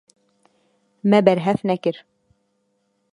Me berhev nekir.